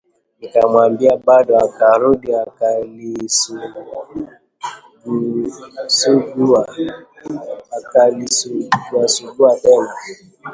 Nikamwambia bado, akarudi akalisuguasugua tena